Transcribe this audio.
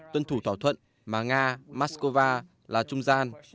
tuân thủ thỏa thuận mà nga moscow là trung gian